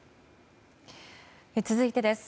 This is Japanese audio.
続いてです。